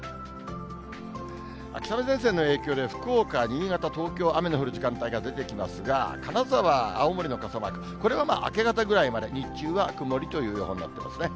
秋雨前線の影響で、福岡、新潟、東京、雨の降る時間帯が出てきますが、金沢、青森の傘マーク、これは明け方ぐらいまで日中は曇りという予報になってますね。